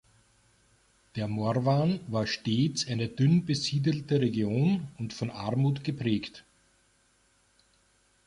Der Morvan war stets eine dünn besiedelte Region und von Armut geprägt.